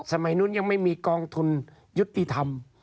สมัยนู้นยังไม่มีกองทุนยุติธรรม